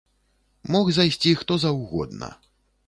Мог зайсці хто заўгодна.